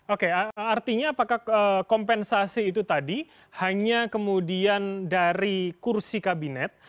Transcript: oke artinya apakah kompensasi itu tadi hanya kemudian dari kursi kabinet